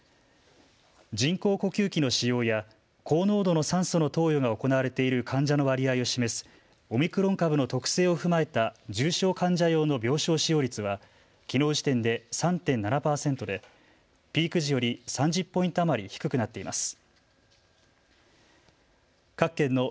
人工呼吸器の使用や高濃度の酸素の投与が行われている患者の割合を示すオミクロン株の特性を踏まえた重症患者用の病床使用率はきのう時点で３．７％でピーク時より３０ポイント余り低くなっています。